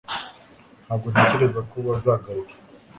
Ntabwo ntekereza ko bazagaruka